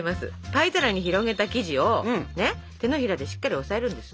パイ皿に広げた生地を手のひらでしっかり押さえるんです。